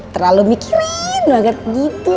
terlalu mikirin banget gitu